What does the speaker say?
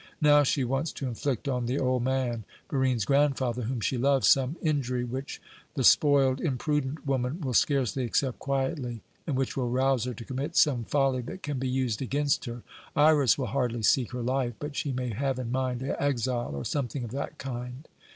Now she wants to inflict on the old man, Barine's grandfather, whom she loves, some injury which the spoiled, imprudent woman will scarcely accept quietly, and which will rouse her to commit some folly that can be used against her. Iras will hardly seek her life, but she may have in mind exile or something of that kind.